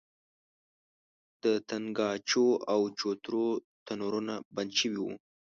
د تنګاچو او چوترو تنورونه بند شوي وو.